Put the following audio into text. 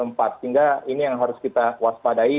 sehingga ini yang harus kita waspadai